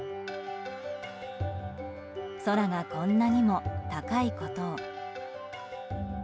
空がこんなにも高いことを。